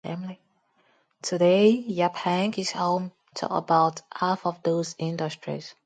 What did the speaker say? Today, Yaphank is home to about half of those industries.